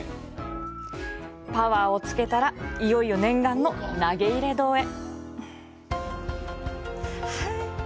パワーをつけたらいよいよ念願の投入堂へ。